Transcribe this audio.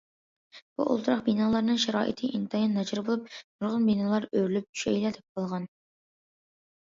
بۇ ئولتۇراق بىنالارنىڭ شارائىتى ئىنتايىن ناچار بولۇپ، نۇرغۇن بىنالار ئۆرۈلۈپ چۈشەيلا دەپ قالغان.